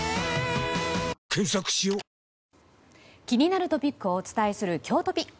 気になるトピックをお伝えするきょうトピ。